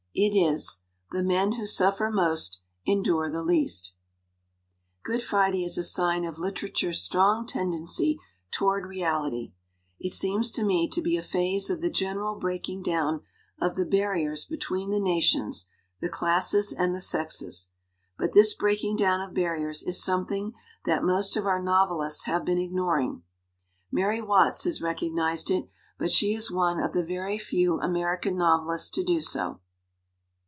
It is, 'The men who suffer most endure the least.' "Good Friday is a sign of literature's strong tendency toward reality. It seems to me to be a phase of the general breaking down of the bar 236 ''EVASIVE IDEALISM' tiers between the nations, the classes, and the sexes. But this breaking down of barriers is some thing that most of our novelists have been ignor ing. Mary Watts has recognized it, but she is one of the very few American novelists to do so."